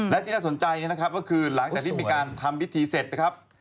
และที่น่าสนใจนะครับก็คือหลังจากที่มีการทำพิธีเสร็จนะครับ